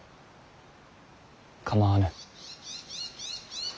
構わぬ。